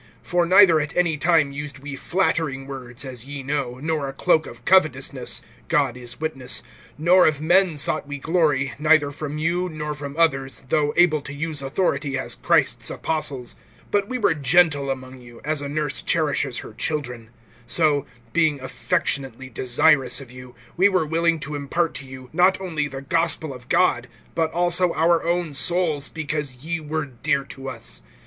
(5)For neither at any time used we flattering words, as ye know, nor a cloak of covetousness; God is witness; (6)nor of men sought we glory, neither from you, nor from others, though able to use authority, as Christ's apostles. (7)But we were gentle among you, as a nurse cherishes her children; (8)so, being affectionately desirous of you, we were willing to impart to you, not only the gospel of God, but also our own souls, because ye were dear to us.